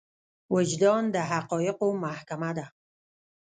وجدان د حقايقو محکمه ده.